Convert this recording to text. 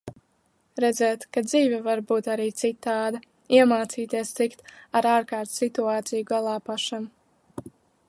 Redzēt, ka dzīve var būt arī citāda, iemācīties tikt ar ārkārtas situāciju galā pašam.